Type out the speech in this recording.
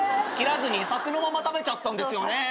切らずにさくのまま食べちゃったんですよね。